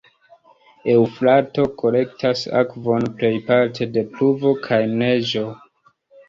Eŭfrato kolektas akvon plejparte de pluvo kaj neĝo.